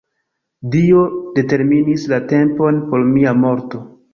Dio determinis la tempon por mia morto.